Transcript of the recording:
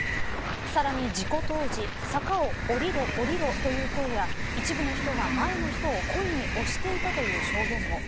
さらに事故当時坂を下りろという声や一部の人が前の人を故意に押していたという証言も。